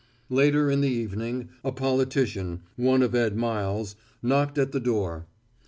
Later in the evening a politician, one of Ed Miles', knocked at the door.